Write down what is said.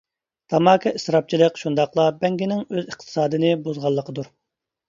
تاماكا ئىسراپچىلىق شۇنداقلا بەڭگىنىڭ ئۆز ئىقتىسادىنى بۇزغانلىقتۇر.